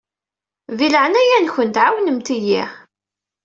Di leɛnaya-nkent ɛawnemt-iyi.